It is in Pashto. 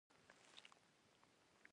هغوی په پوزه کلک نښتي وو.